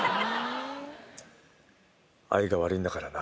愛が悪いんだからな。